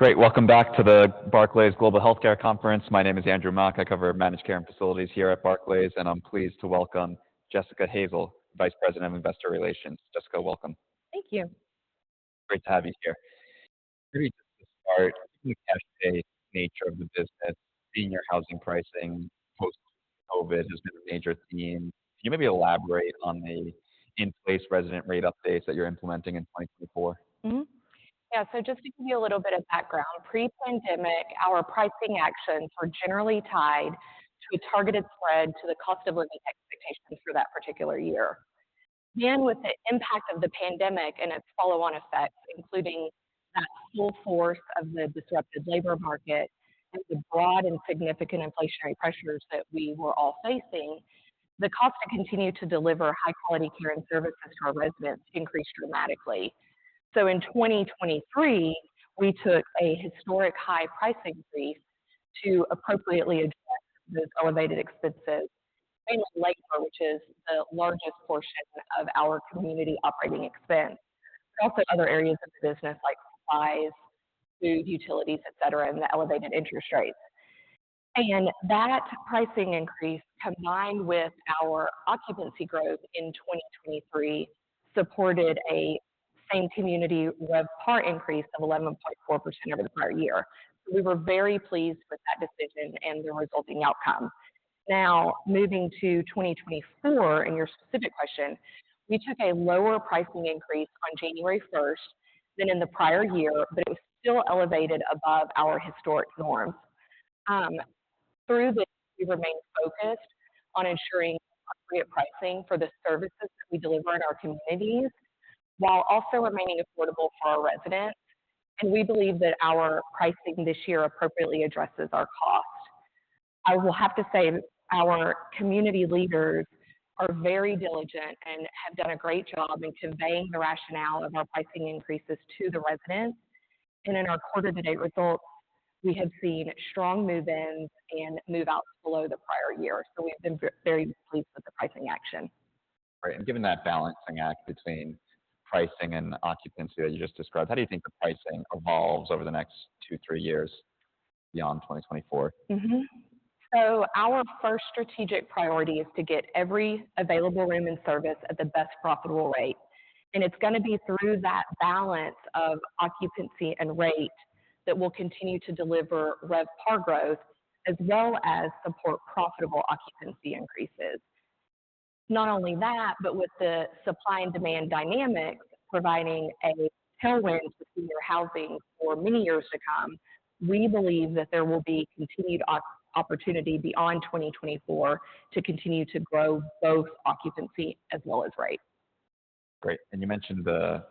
Great. Welcome back to the Barclays Global Healthcare Conference. My name is Andrew Mok. I cover managed care and facilities here at Barclays, and I'm pleased to welcome Jessica Hazel, Vice President of Investor Relations. Jessica, welcome. Thank you. Great to have you here. Maybe just to start, the cash-based nature of the business, senior housing pricing post-COVID has been a major theme. Can you maybe elaborate on the in-place resident rate updates that you're implementing in 2024? Yeah. So just to give you a little bit of background, pre-pandemic, our pricing actions were generally tied to a targeted spread to the cost of living expectations for that particular year. Then with the impact of the pandemic and its follow-on effects, including that full force of the disrupted labor market and the broad and significant inflationary pressures that we were all facing, the cost to continue to deliver high-quality care and services to our residents increased dramatically. So in 2023, we took a historic high pricing increase to appropriately address those elevated expenses, mainly labor, which is the largest portion of our community operating expense, but also other areas of the business like supplies, food utilities, etc., and the elevated interest rates. And that pricing increase, combined with our occupancy growth in 2023, supported a same-community RevPAR increase of 11.4% over the prior year. So we were very pleased with that decision and the resulting outcome. Now, moving to 2024 and your specific question, we took a lower pricing increase on January 1st than in the prior year, but it was still elevated above our historic norms. Through this, we remained focused on ensuring appropriate pricing for the services that we deliver in our communities while also remaining affordable for our residents. And we believe that our pricing this year appropriately addresses our cost. I will have to say our community leaders are very diligent and have done a great job in conveying the rationale of our pricing increases to the residents. And in our quarter-to-date results, we have seen strong move-ins and move-outs below the prior year. So we've been very pleased with the pricing action. All right. Given that balancing act between pricing and occupancy that you just described, how do you think the pricing evolves over the next 2-3 years beyond 2024? Our first strategic priority is to get every available room and service at the best profitable rate. It's going to be through that balance of occupancy and rate that we'll continue to deliver RevPAR growth as well as support profitable occupancy increases. Not only that, but with the supply and demand dynamics providing a tailwind to senior housing for many years to come, we believe that there will be continued opportunity beyond 2024 to continue to grow both occupancy as well as rates. Great. And you mentioned the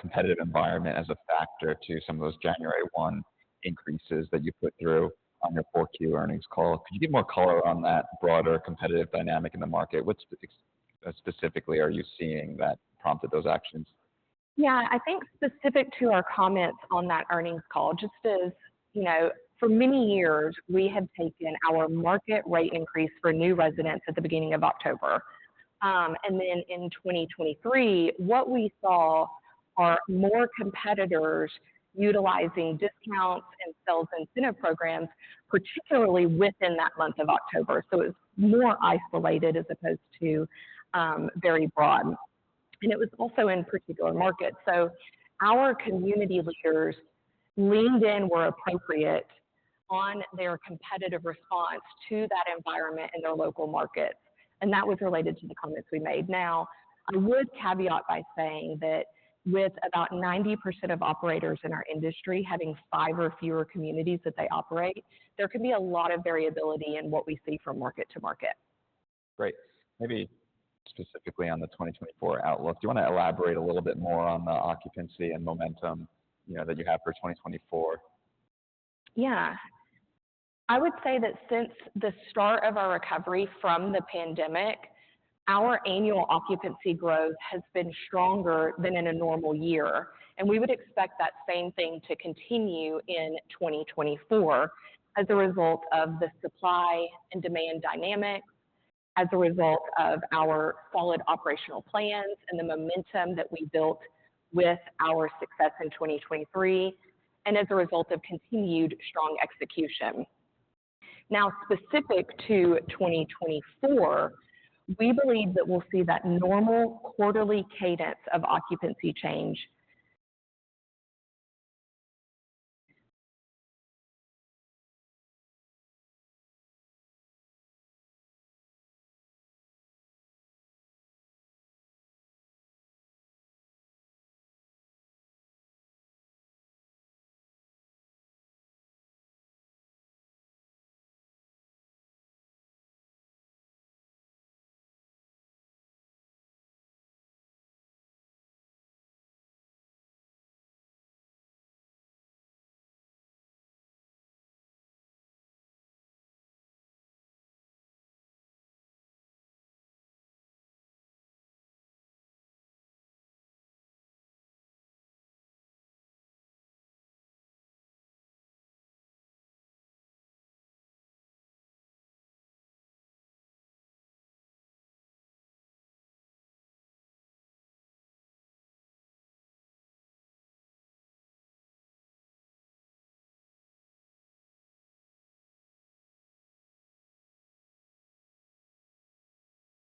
competitive environment as a factor to some of those January 1 increases that you put through on your 4Q earnings call. Could you give more color on that broader competitive dynamic in the market? What specifically are you seeing that prompted those actions? Yeah. I think specific to our comments on that earnings call, just as for many years, we have taken our market rate increase for new residents at the beginning of October. And then in 2023, what we saw are more competitors utilizing discounts and sales incentive programs, particularly within that month of October. So it was more isolated as opposed to very broad. And it was also in particular markets. So our community leaders leaned in where appropriate on their competitive response to that environment in their local markets. And that was related to the comments we made. Now, I would caveat by saying that with about 90% of operators in our industry having five or fewer communities that they operate, there can be a lot of variability in what we see from market to market. Great. Maybe specifically on the 2024 outlook, do you want to elaborate a little bit more on the occupancy and momentum that you have for 2024? Yeah. I would say that since the start of our recovery from the pandemic, our annual occupancy growth has been stronger than in a normal year. We would expect that same thing to continue in 2024 as a result of the supply and demand dynamics, as a result of our solid operational plans, and the momentum that we built with our success in 2023, and as a result of continued strong execution. Now, specific to 2024, we believe that we'll see that normal quarterly cadence of occupancy change.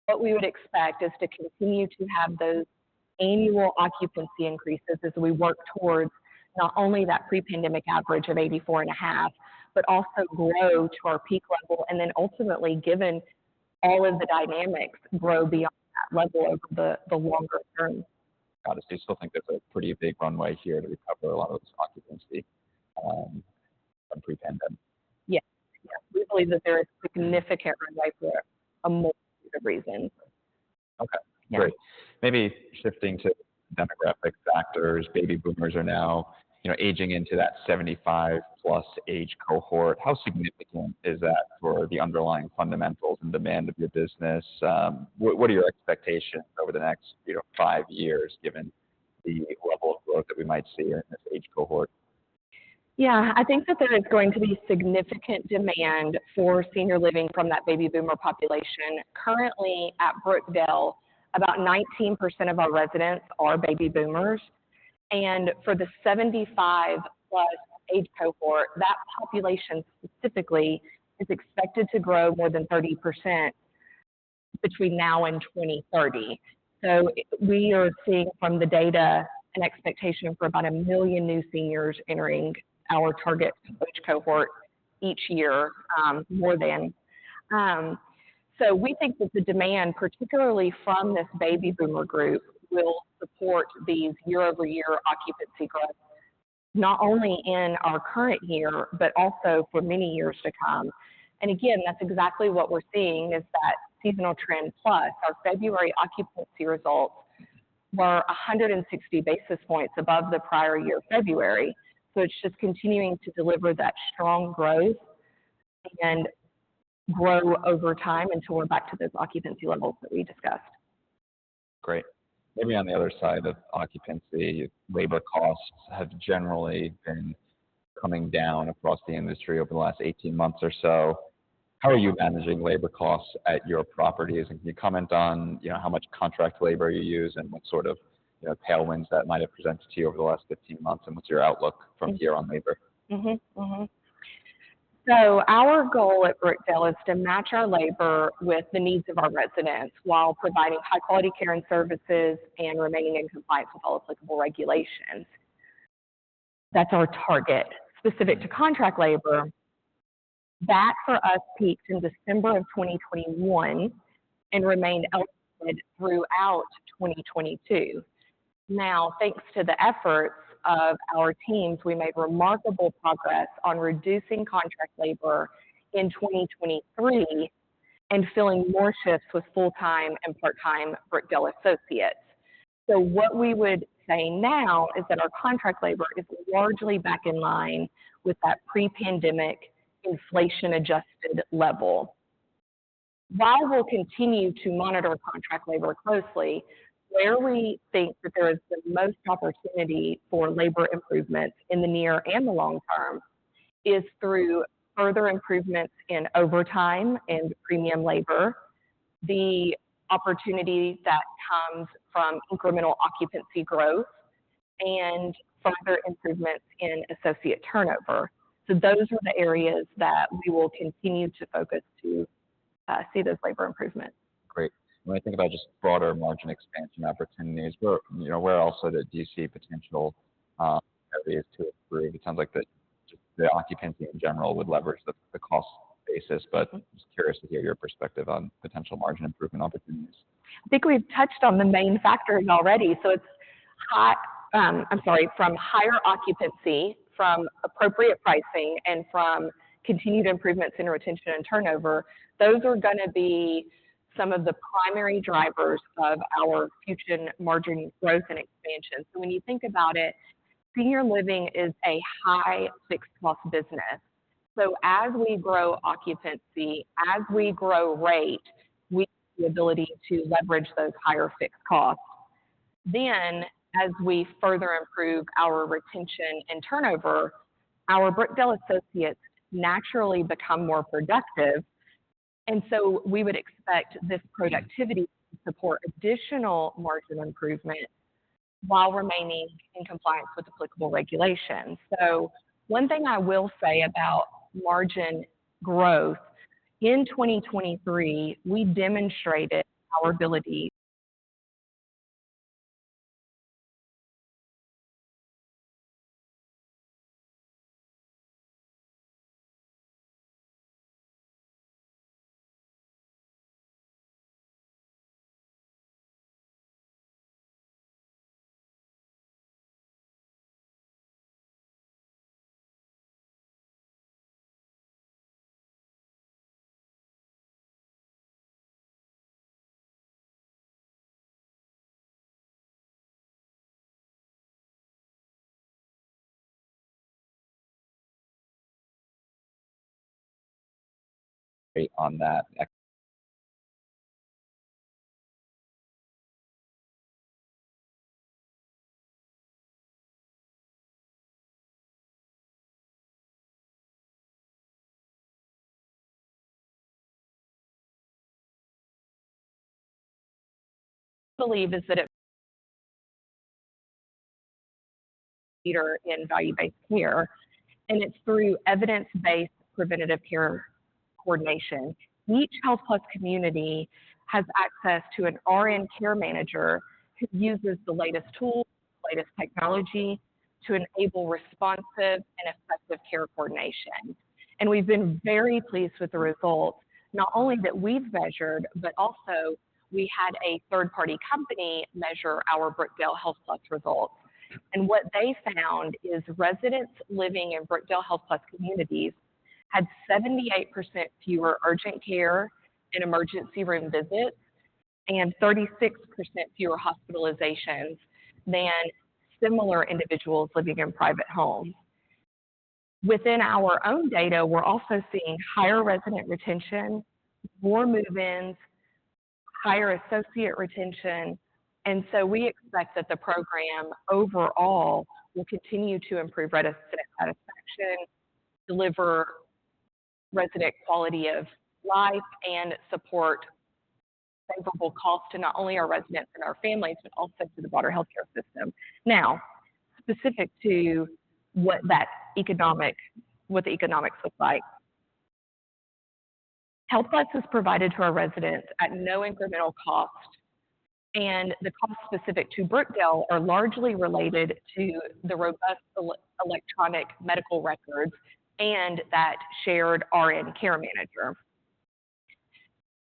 What we would expect is to continue to have those annual occupancy increases as we work towards not only that pre-pandemic average of 84.5, but also grow to our peak level, and then ultimately, given all of the dynamics, grow beyond that level over the longer term. Got it. So you still think there's a pretty big runway here to recover a lot of this occupancy from pre-pandemic? Yes. We believe that there is significant runway for a multitude of reasons. Okay. Great. Maybe shifting to demographic factors. Baby boomers are now aging into that 75+ age cohort. How significant is that for the underlying fundamentals and demand of your business? What are your expectations over the next five years given the level of growth that we might see in this age cohort? Yeah. I think that there is going to be significant demand for senior living from that Baby boomer population. Currently, at Brookdale, about 19% of our residents are Baby boomers. And for the 75+ age cohort, that population specifically is expected to grow more than 30% between now and 2030. So we are seeing from the data an expectation for about 1 million new seniors entering our target age cohort each year, more than. So we think that the demand, particularly from this Baby boomer group, will support these year-over-year occupancy growths not only in our current year, but also for many years to come. And again, that's exactly what we're seeing is that seasonal trend plus. Our February occupancy results were 160 basis points above the prior year, February. It's just continuing to deliver that strong growth and grow over time until we're back to those occupancy levels that we discussed. Great. Maybe on the other side of occupancy, labor costs have generally been coming down across the industry over the last 18 months or so. How are you managing labor costs at your properties? And can you comment on how much contract labor you use and what sort of tailwinds that might have presented to you over the last 15 months? And what's your outlook from here on labor? So our goal at Brookdale is to match our labor with the needs of our residents while providing high-quality care and services and remaining in compliance with all applicable regulations. That's our target. Specific to contract labor, that for us peaked in December of 2021 and remained elevated throughout 2022. Now, thanks to the efforts of our teams, we made remarkable progress on reducing contract labor in 2023 and filling more shifts with full-time and part-time Brookdale associates. So what we would say now is that our contract labor is largely back in line with that pre-pandemic inflation-adjusted level. While we'll continue to monitor contract labor closely, where we think that there is the most opportunity for labor improvements in the near and the long term is through further improvements in overtime and premium labor, the opportunity that comes from incremental occupancy growth, and further improvements in associate turnover. Those are the areas that we will continue to focus to see those labor improvements. Great. When I think about just broader margin expansion opportunities, where else would be a potential area to improve? It sounds like that just the occupancy in general would leverage the cost basis. But I'm just curious to hear your perspective on potential margin improvement opportunities. I think we've touched on the main factors already. So it's from higher occupancy, from appropriate pricing, and from continued improvements in retention and turnover. Those are going to be some of the primary drivers of our future margin growth and expansion. So when you think about it, senior living is a high-fixed-cost business. So as we grow occupancy, as we grow rate, we have the ability to leverage those higher fixed costs. Then as we further improve our retention and turnover, our Brookdale associates naturally become more productive. And so we would expect this productivity to support additional margin improvement while remaining in compliance with applicable regulations. So one thing I will say about margin growth, in 2023, we demonstrated our ability. Great on that. Believe is that it. Leader in value-based care. It's through evidence-based preventative care coordination. Each HealthPlus community has access to an RN care manager who uses the latest tools, the latest technology to enable responsive and effective care coordination. We've been very pleased with the results, not only that we've measured, but also we had a third-party company measure our Brookdale HealthPlus results. What they found is residents living in Brookdale HealthPlus communities had 78% fewer urgent care and emergency room visits and 36% fewer hospitalizations than similar individuals living in private homes. Within our own data, we're also seeing higher resident retention, more move-ins, higher associate retention. So we expect that the program overall will continue to improve resident satisfaction, deliver resident quality of life, and support favorable costs to not only our residents and our families, but also to the broader healthcare system. Now, specific to what the economics look like, health plans are provided to our residents at no incremental cost. The costs specific to Brookdale are largely related to the robust electronic medical records and that shared RN care manager.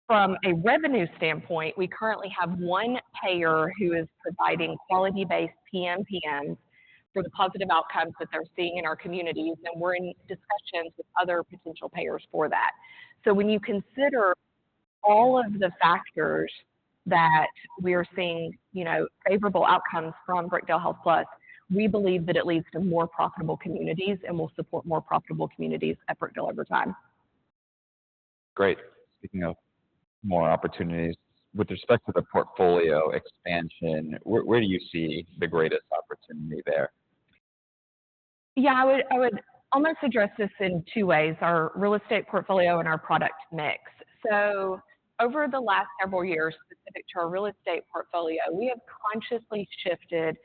From a revenue standpoint, we currently have one payer who is providing quality-based PMPMs for the positive outcomes that they're seeing in our communities. We're in discussions with other potential payers for that. When you consider all of the factors that we are seeing favorable outcomes from Brookdale HealthPlus, we believe that it leads to more profitable communities and will support more profitable communities at Brookdale over time. Great. Speaking of more opportunities, with respect to the portfolio expansion, where do you see the greatest opportunity there? Yeah. I would almost address this in two ways, our real estate portfolio and our product mix. So over the last several years, specific to our real estate portfolio, we have consciously shifted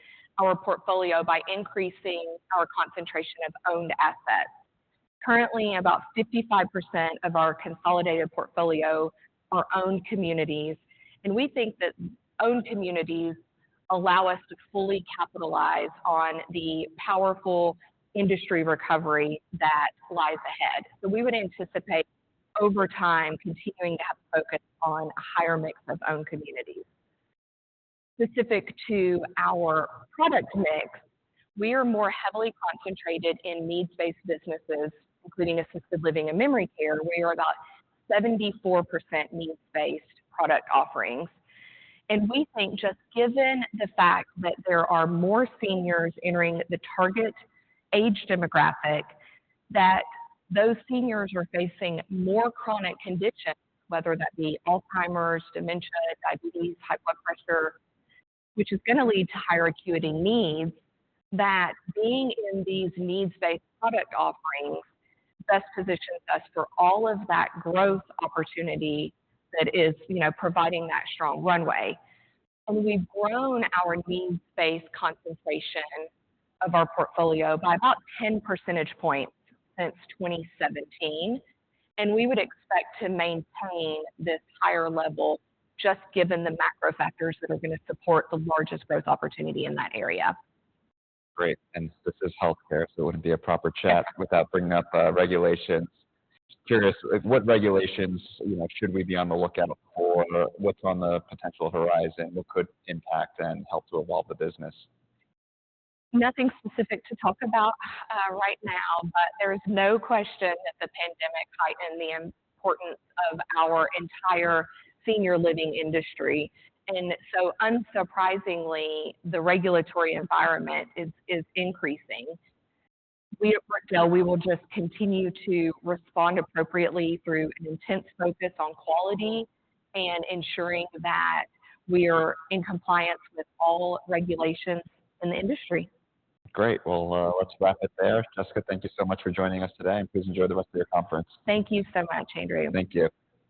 our portfolio by increasing our concentration of owned assets. Currently, about 55% of our consolidated portfolio are owned communities. And we think that owned communities allow us to fully capitalize on the powerful industry recovery that lies ahead. So we would anticipate over time continuing to have a focus on a higher mix of owned communities. Specific to our product mix, we are more heavily concentrated in needs-based businesses, including assisted living and memory care. We are about 74% needs-based product offerings. We think just given the fact that there are more seniors entering the target age demographic, that those seniors are facing more chronic conditions, whether that be Alzheimer's, dementia, diabetes, high blood pressure, which is going to lead to higher acuity needs, that being in these needs-based product offerings best positions us for all of that growth opportunity that is providing that strong runway. We've grown our needs-based concentration of our portfolio by about 10 percentage points since 2017. We would expect to maintain this higher level just given the macro factors that are going to support the largest growth opportunity in that area. Great. And this is healthcare, so it wouldn't be a proper chat without bringing up regulations. Curious, what regulations should we be on the lookout for? What's on the potential horizon? What could impact and help to evolve the business? Nothing specific to talk about right now, but there is no question that the pandemic heightened the importance of our entire senior living industry. So unsurprisingly, the regulatory environment is increasing. We at Brookdale, we will just continue to respond appropriately through an intense focus on quality and ensuring that we are in compliance with all regulations in the industry. Great. Well, let's wrap it there. Jessica, thank you so much for joining us today. Please enjoy the rest of your conference. Thank you so much, Andrew. Thank you.